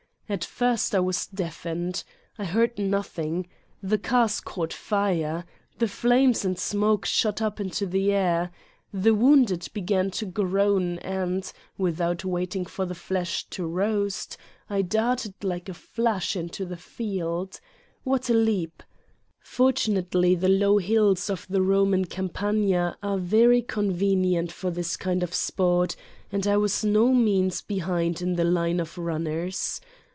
At first I was deafened. I heard noth ing. The cars caught fire. The flames and smoke shot up into the air. The wounded began to groan and, without waiting for the flesh to roast, I darted like a flash into the field. What a leap I ( Fortunately the low hills of the Roman Cam pagna are very convenient for this kind of sport and I was no means behind in the line of runners.